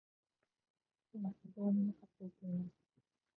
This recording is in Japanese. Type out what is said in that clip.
今、非常にむかついています。